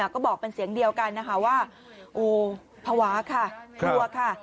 ก็บอกเป็นเสียงเดียวกันนะคะว่าโอ้ภาวะค่ะกลัวค่ะ